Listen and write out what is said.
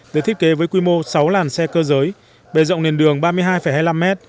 được thiết kế với quy mô sáu làn xe cơ giới bề rộng nền đường ba mươi hai hai mươi năm m